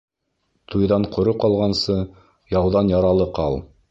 Туйҙан ҡоро ҡалғансы, яуҙан яралы ҡал.